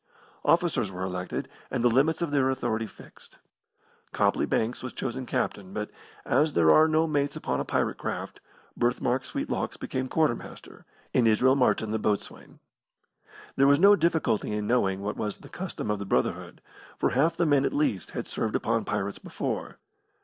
Officers were elected, and the limits of their authority fixed. Copley Banks was chosen captain, but, as there are no mates upon a pirate craft, Birthmark Sweetlocks became quartermaster, and Israel Martin the boatswain. There was no difficulty in knowing what was the custom of the brotherhood, for half the men at least had served upon pirates before.